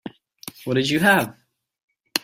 What did you have?